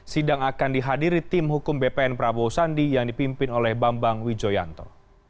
sidang akan dihadiri tim hukum bpn prabowo sandi yang dipimpin oleh bambang wijoyanto